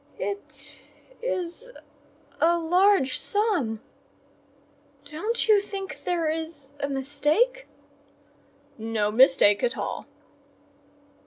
"It is a large sum—don't you think there is a mistake?" "No mistake at all."